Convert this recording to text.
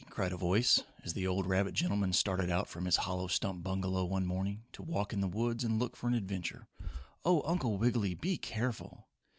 cried a voice, as the old rabbit gentleman started out from his hollow stump bungalow one morning to walk in the woods and look for an adventure. "Oh, Uncle Wiggily, be careful!"